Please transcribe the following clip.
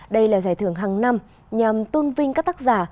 đây là giải thưởng hàng năm nhằm tôn vinh các tác giả